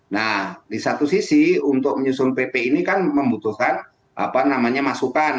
nah di satu sisi untuk menyusun pp ini kan membutuhkan masukan